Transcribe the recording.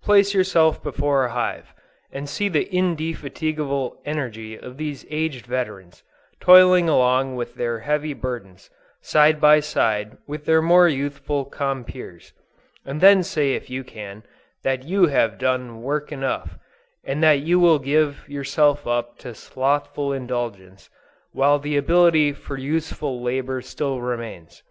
Place yourself before a hive, and see the indefatigable energy of these aged veterans, toiling along with their heavy burdens, side by side with their more youthful compeers, and then say if you can, that you have done work enough, and that you will give yourself up to slothful indulgence, while the ability for useful labor still remains.